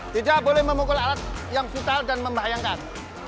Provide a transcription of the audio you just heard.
tidak boleh memukul alat yang futal dan membahayangkan